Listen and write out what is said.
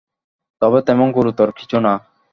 তবে তেমন গুরুতর কিছু না।